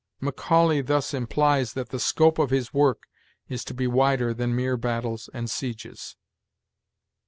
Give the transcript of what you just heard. Macaulay thus implies that the scope of his work is to be wider than mere battles and sieges.